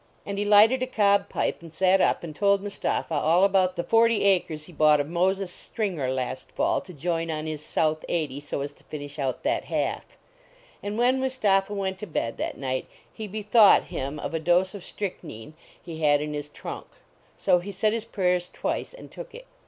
And he lighted a cob pipe and sat up and told Mustapha all about the forty acres he bought of Moses Stringer last fall to join on his south eighty, so as to finish out that half. And when Mustapha went to bed that night he bethought him of a dose of strych 13 J 93 THE VACATION OF MUSTAPIIA nine he had in his trunk. So he said his prayers twice, and took it.